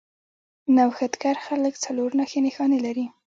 نوښتګر خلک څلور نښې نښانې لري.